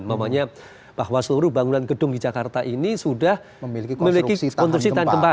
maksudnya bahwa seluruh bangunan gedung di jakarta ini sudah memiliki konstruksi tahan gempa